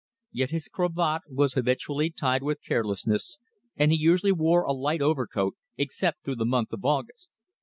Yet his cravat was habitually tied with carelessness, and he usually wore a light overcoat except through the month of August.